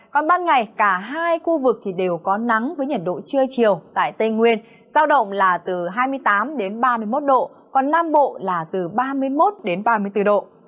còn ban ngày cả hai khu vực đều có nắng với nhiệt độ trưa chiều tại tây nguyên giao động là từ hai mươi tám đến ba mươi một độ còn nam bộ là từ ba mươi một ba mươi bốn độ